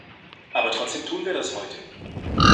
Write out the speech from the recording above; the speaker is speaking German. Aber trotzdem tun wir das heute.